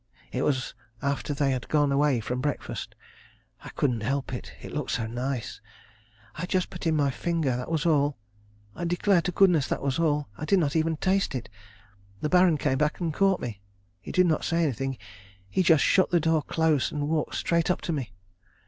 It was after they had gone away from breakfast. I couldn't help it. It looked so nice. I just put in my finger. That was all. I declare to goodness that was all. I did not even taste it. The Baron came back and caught me. He did not say anything. He just shut the door close and walked straight up to me.